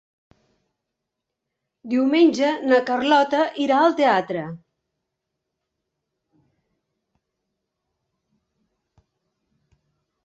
Diumenge na Carlota irà al teatre.